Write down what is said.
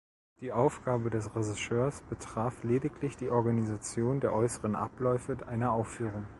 Die Aufgabe des Regisseurs betraf lediglich die Organisation der äußeren Abläufe einer Aufführung.